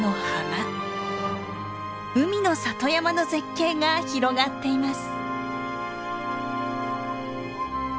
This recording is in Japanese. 海の里山の絶景が広がっています。